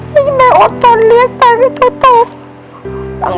ให้แม่โอ๊ตตอนเลี้ยงตายให้ตัวต่อต่างอย่าดื้อนนะ